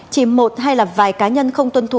chỉ một hay là vài cá nhân không tuân thủ